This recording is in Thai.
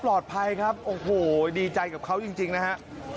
ปลอดภัยครับโอ้โหดีใจกับเขาจริงนะฮะ